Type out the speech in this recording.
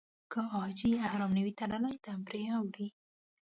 که حاجي احرام نه وي تړلی دم پرې اوړي.